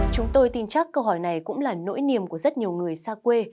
chúng tôi tin chắc câu hỏi này cũng là nỗi niềm của rất nhiều người xa quê